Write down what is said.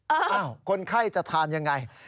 คนไข้จะทานยังไง